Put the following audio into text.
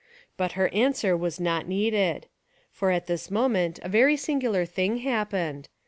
But her answer was not needed. For at this moment a very singular thing happened.